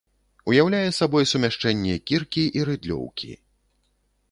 Уяўляе сабой сумяшчэнне кіркі і рыдлёўкі.